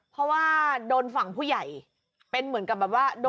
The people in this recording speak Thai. เพราะว่าโดนฝั่งผู้ใหญ่เป็นเหมือนกับแบบว่า